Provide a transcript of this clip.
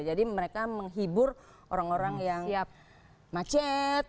jadi mereka menghibur orang orang yang macet